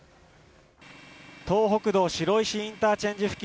東北道白石インターチェンジ